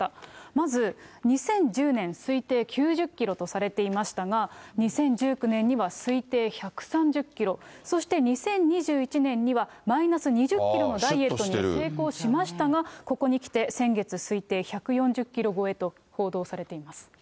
まず、２０１０年、推定９０キロとされていましたが、２０１９年には推定１３０キロ、そして２０２１年には、マイナス２０キロのダイエットに成功しましたが、ここにきて先月、推定１４０キロ超えと報道されています。